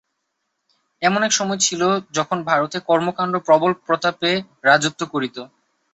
এমন এক সময় ছিল, যখন ভারতে কর্মকাণ্ড প্রবল প্রতাপে রাজত্ব করিত।